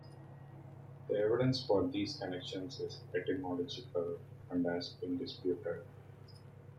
The evidence for these connections is etymological and has been disputed.